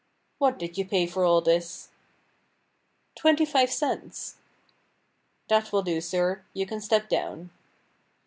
"What did you pay for all this?" "Twenty five cents." "That will do, sir; you can step down."